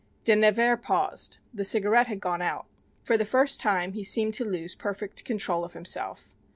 De Nevers paused. The cigarette had gone out. For the first time he seemed to lose perfect control of himself.